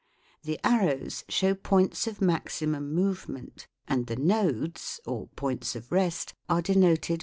The arrows show points of maximum movement, and the "nodes," or points of rest, are denoted by the letter N.